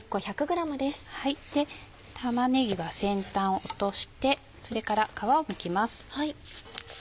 玉ねぎは先端を落としてそれから皮をむきます。